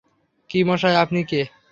কী মশায়, আপনি কে?